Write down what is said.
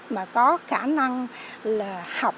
mà có khả năng là học